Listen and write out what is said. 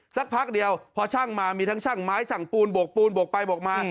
สักพักเดียวพอช่างมามีทั้งช่างไม้ช่างปูนบกปูนบกไปบกมา